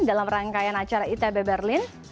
dalam rangkaian acara itb berlin